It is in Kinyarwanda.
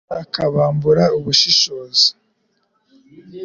abasaza akabambura ubushishozi